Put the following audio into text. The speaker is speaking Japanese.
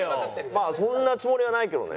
まあそんなつもりはないけどね。